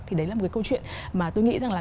thì đấy là một cái câu chuyện mà tôi nghĩ rằng là